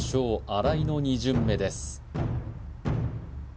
新井の２巡目です